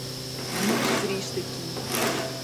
É muito triste aqui.